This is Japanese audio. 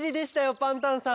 パンタンさん。